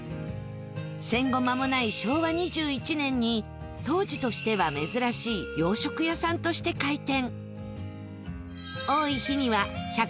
戦後間もない昭和２１年に当時としては珍しい洋食屋さんとして開店。